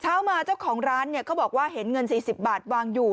เช้ามาเจ้าของร้านเขาบอกว่าเห็นเงิน๔๐บาทวางอยู่